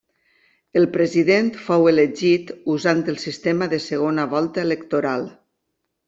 El President fou elegit usant el sistema de segona volta electoral.